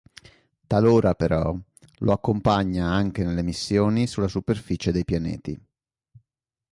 Talora però lo accompagna anche nelle missioni sulla superficie dei pianeti.